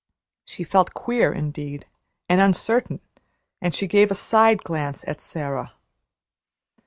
She felt queer indeed and uncertain, and she gave a side glance at Sara.